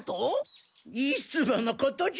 いつものことじゃ。